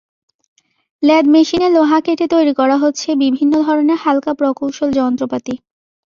Lathe মেশিনে লোহা কেটে তৈরি করা হচ্ছে বিভিন্ন ধরনের হালকা প্রকৌশল যন্ত্রপাতি।